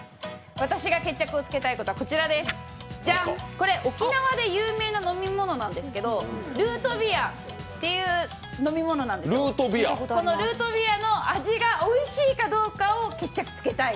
これ、沖縄で有名な飲み物なんですけれどもルートビアっていう飲み物なんですがこのルートビアの味がおいしいかどうかを決着つけたい。